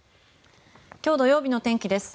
今日土曜日の天気です。